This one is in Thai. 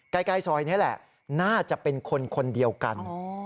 ใกล้ซอยนี้แหละน่าจะเป็นคนคนเดียวกัน